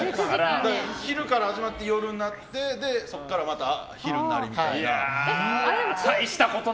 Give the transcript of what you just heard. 昼から始まって夜になってで、そこからまた昼になりみたいな。